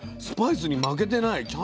スパイスに負けてない。